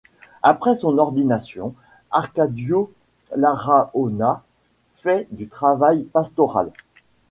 Après son ordination, Arcadio Larraona fait du travail pastoral.